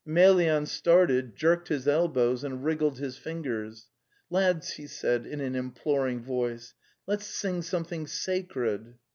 Emelyan started, jerked his elbows and wriggled his fingers. *\ Lads,' he) said\)in}an, imploring: voice) iwicts sing something sacred!